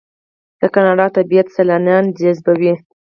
د کاناډا طبیعت سیلانیان جذبوي.